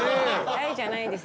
大じゃないです。